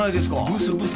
ブスブス。